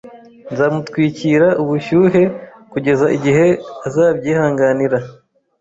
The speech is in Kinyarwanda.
Nzamutwikira ubushyuhe kugeza igihe azabyihanganira